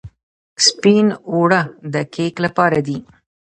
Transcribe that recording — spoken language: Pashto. سپین اوړه د کیک لپاره دي.